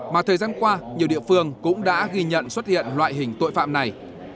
mà thời gian qua nhiều địa phương cũng đã ghi nhận xuất hiện loại hình tội phạm này